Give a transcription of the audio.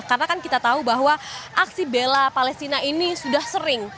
karena kan kita tahu bahwa aksi bela palestina ini sudah sering